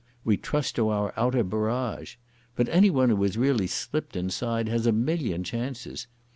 We trust to our outer barrage. But anyone who has really slipped inside has a million chances.